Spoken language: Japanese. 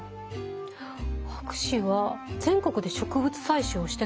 博士は全国で植物採集をしてたんですよね？